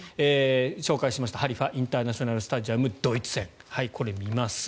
紹介しましたハリファ・インターナショナル・スタジアム、ドイツ戦これ、見ます。